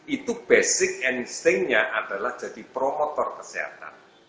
itu basic instingnya adalah jadi promotor kesehatan